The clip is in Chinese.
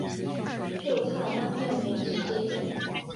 就差当天没直接订